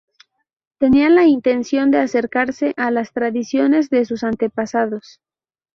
Tenía la intención de acercarse a las tradiciones de sus antepasados.